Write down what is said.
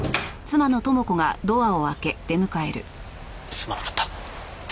すまなかった。